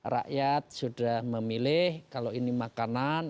rakyat sudah memilih kalau ini makanan